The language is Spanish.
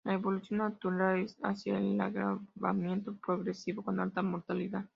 La evolución natural es hacia el agravamiento progresivo con alta mortalidad.